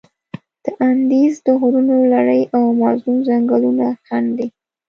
د اندیز د غرونو لړي او امازون ځنګلونه خنډ دي.